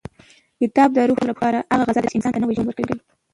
کتاب د روح لپاره هغه غذا ده چې انسان ته نوی ژوند ورکوي.